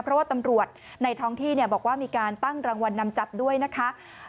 เพราะว่าตำรวจในท้องที่บอกว่ามีการตั้งรางวัลนำจับด้วยนะคะ